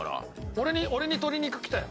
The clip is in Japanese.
俺に俺に鶏肉来たよ。